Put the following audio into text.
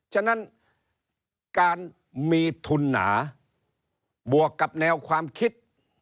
ฉะนั้นการมีทุนหนาบวกกับแนวความคิด